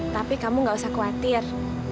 tapi kamu gak usah khawatir